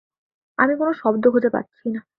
আমি কোনো শব্দ খুজে পাচ্ছি না।